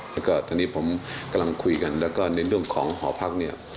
แล้วก็ตอนนี้ผมกำลังคุยกันแล้วก็ในเรื่องของหอพักเนี่ย